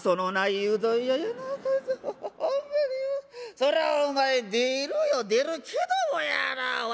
そらあお前出るよ出るけどもやなわ